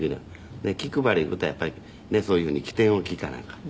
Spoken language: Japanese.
で気配りいう事はやっぱりそういうふうに機転を利かなあかん。